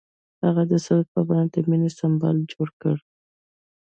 هغه د سرود په بڼه د مینې سمبول جوړ کړ.